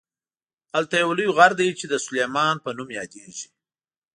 هلته یو لوی غر دی چې د سلیمان په نوم یادیږي.